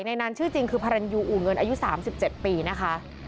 ในนั้นชื่อจริงคือพรรณยูอู่เงินอายุ๓๗ปีนะคะ